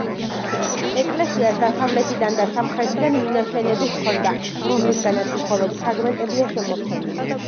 ეკლესიას დასავლეთიდან და სამხრეთიდან მინაშენები ჰქონდა, რომლისგანაც მხოლოდ ფრაგმენტებია შემორჩენილი.